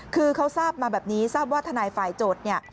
คือเขาทราบมาแบบนี้ทราบว่าทนายฝ่ายโจทย์เนี่ย